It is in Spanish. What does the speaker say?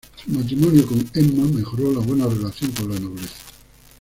Su matrimonio con Emma mejoró la buena relación con la nobleza.